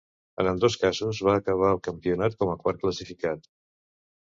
En ambdós casos va acabar el campionat com a quart classificat.